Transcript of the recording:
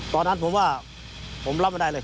ตอนนั้นผมว่าผมรับไม่ได้เลย